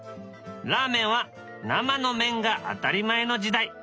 ラーメンは生の麺が当たり前の時代。